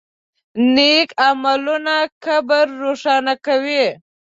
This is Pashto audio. نیک عملونه قبر روښانه کوي.